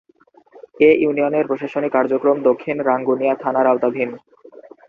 এ ইউনিয়নের প্রশাসনিক কার্যক্রম দক্ষিণ রাঙ্গুনিয়া থানার আওতাধীন।